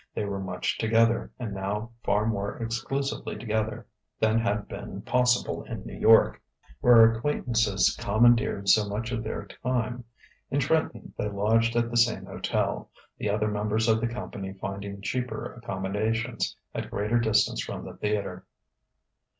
They were much together, and now far more exclusively together than had been possible in New York, where acquaintances commandeered so much of their time. In Trenton they lodged at the same hotel, the other members of the company finding cheaper accommodations at greater distance from the theatre.